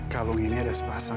kalau gini ada sepasang